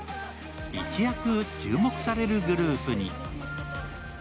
一躍注目されるグループに。